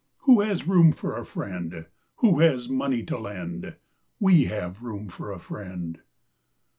Who has room for a friend Who has money to lend? We have room for a friend!